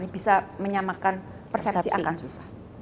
bisa menyamakan persepsi akan susah